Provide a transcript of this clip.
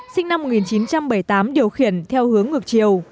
sinh năm một nghìn chín trăm bảy mươi tám điều khiển theo hướng ngược chiều